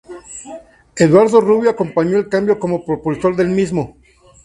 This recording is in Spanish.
Eduardo Rubio acompañó el cambio como propulsor del mismo.